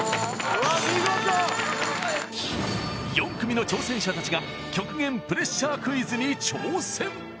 見事４組の挑戦者達が極限プレッシャークイズに挑戦